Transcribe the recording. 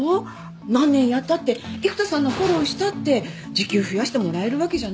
何年やったって育田さんのフォローをしたって時給増やしてもらえるわけじゃない。